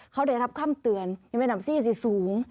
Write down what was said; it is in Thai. เขาได้รับคำเตือนที่เมนามสี่สิสูง